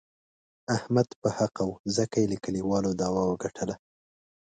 احمد په حقه و، ځکه یې له کلیوالو داوه و ګټله.